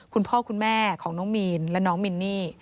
คุณพ่อคุณแม่ของน้องมีนและน้องมินนี่